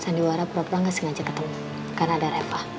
sandiwara pura pura gak sengaja ketemu karena ada reva